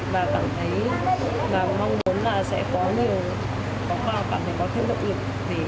và cảm thấy và mong muốn là sẽ có nhiều có cảm thấy có thêm động lực